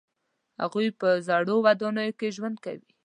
هغوی په زړو ودانیو کې ژوند کوي.